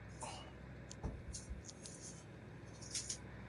Es la forma más común de arteriosclerosis.